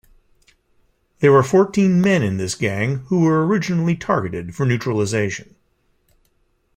There were fourteen men in this gang who were originally targeted for neutralization.